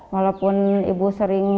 walaupun ibu sering